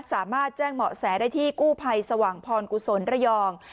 สามารถแจ้งเหมาะแสได้ที่กู้ภัยสว่างพรกุศลระยอง